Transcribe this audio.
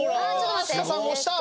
飛鳥さん押した！